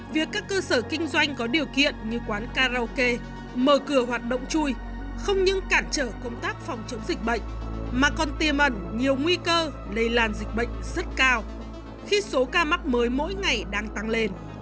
việc các cơ sở kinh doanh có điều kiện như quán karaoke mở cửa hoạt động chui không những cản trở công tác phòng chống dịch bệnh mà còn tiềm ẩn nhiều nguy cơ lây lan dịch bệnh rất cao khi số ca mắc mới mỗi ngày đang tăng lên